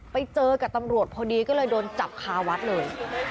ไปเจอกับตำรวจพอดีก็เลยโดนจับคาวัดเลย